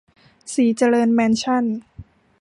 ศรีเจริญแมนชั่น